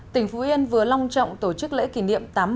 tỉnh phú yên vừa long trọng tổ chức lễ kỷ niệm